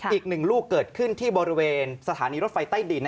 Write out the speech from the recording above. อีกหนึ่งลูกเกิดขึ้นที่บริเวณสถานีรถไฟใต้ดิน